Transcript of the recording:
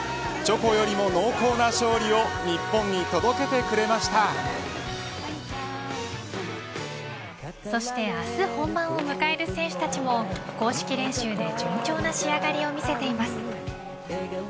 チョコよりも濃厚な勝利をそして明日本番を迎える選手たちも公式練習で順調な仕上がりを見せています。